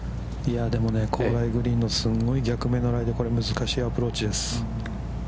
でもね、高麗グリーンの逆目のライでこれは難しいアプローチです。